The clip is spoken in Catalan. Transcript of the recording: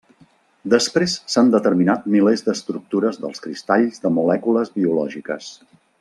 Després s'han determinat milers d'estructures dels cristalls de molècules biològiques.